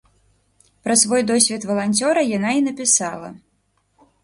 Пра свой досвед валанцёра яна і напісала.